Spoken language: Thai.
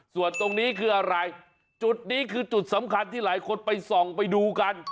ส่วนตรงนี้คืออะไรจุดนี้คือจุดสำคัญที่หลายคนไปส่องไปดูกัน